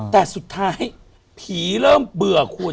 แต่สุดท้ายผีเริ่มเบื่อคุณ